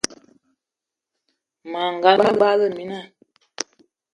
Mas gan, me bagla mina